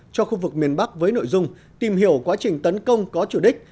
cho khu vực miền bắc với nội dung tìm hiểu quá trình tấn công có chủ đích